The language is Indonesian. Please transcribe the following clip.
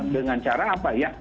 dengan cara apa ya